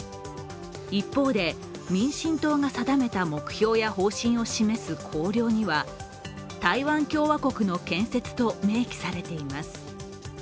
一方で民進党が定めた目標や方針を示す綱領には台湾共和国の建設と明記されています。